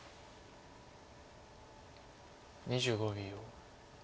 ２５秒。